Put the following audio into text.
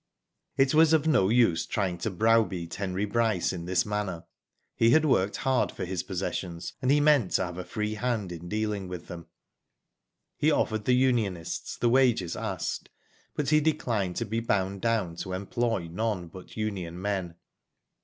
It was of no use trying to browbeat Henry Bryce in this manner ; he had worked hard for his possessions, and he meant to have a free hand in dealing with them. He offered the unionists the wages asked, but he declined to be bound down to employ none but union men.